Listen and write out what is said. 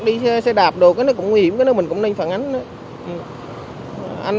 đi xe đạp đồ cái đó cũng nguy hiểm cái đó mình cũng nên phản ánh